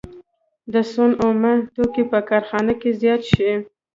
د سون اومه توکي په کارخانه کې زیات شي